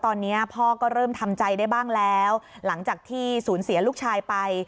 ตอนนี้พ่อก็เริ่มทำใจได้บ้างแล้วหลังจากที่สูญเสียลูกชายไป